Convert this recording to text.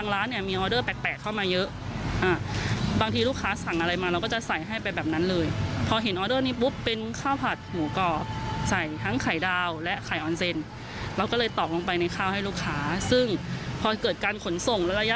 เราก็เลยตอบลงไปในข้าวให้ลูกค้าซึ่งพอเกิดการขนส่งระยะ